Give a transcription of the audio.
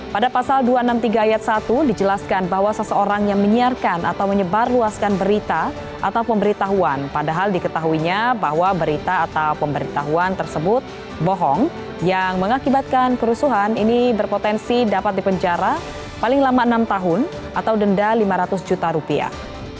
pada pasal dua ratus enam puluh tiga ayat satu dijelaskan bahwa seseorang yang menyiarkan atau menyebarluaskan berita atau pemberitahuan padahal diketahuinya bahwa berita atau pemberitahuan tersebut bohong yang mengakibatkan kerusuhan ini berpotensi dapat dipenjara paling lama enam tahun atau denda lima ratus juta rupiah